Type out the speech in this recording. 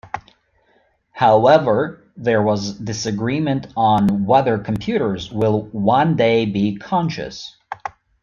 However, there was disagreement on whether computers will one day be conscious.